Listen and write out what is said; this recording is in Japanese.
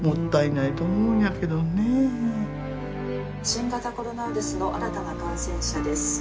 「新型コロナウイルスの新たな感染者です」。